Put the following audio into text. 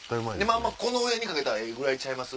この上にかけたらええぐらいちゃいます？